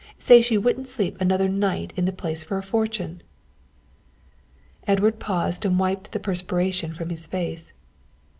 Say she wouldn't sleep another night in the place for a fortune." Edward paused and wiped the perspiration from his face.